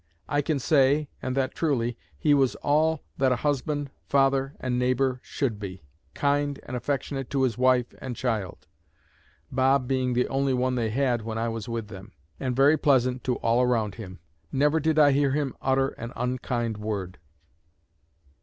I can say, and that truly, he was all that a husband, father, and neighbor should be, kind and affectionate to his wife and child ('Bob' being the only one they had when I was with them), and very pleasant to all around him. Never did I hear him utter an unkind word."